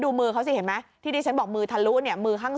ดูมือเขาสิเห็นไหมที่ที่ฉันบอกมือทะลุเนี่ยมือข้าง